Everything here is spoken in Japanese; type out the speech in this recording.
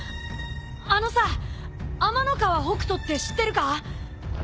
あのさ天ノ河北斗って知ってるか？